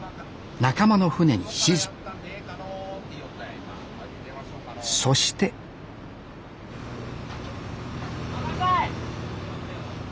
仲間の船に指示そして巻かんかい！